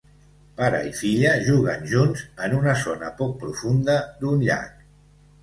Pare i filla juguen junts en una zona poc profunda d'un llac.